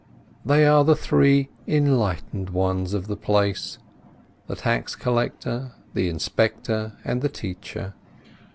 They are the three "enlightened" ones of the place: the tax collector, the inspector, and the teacher.